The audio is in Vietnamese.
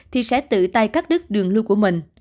thì sẽ tự tay cắt đứt đường lưu của mình